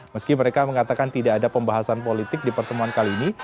meski mereka mengatakan tidak ada pembahasan politik di pertemuan kali ini